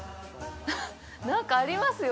なんかありますよ。